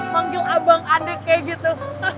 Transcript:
manggil abang adik kayak gitu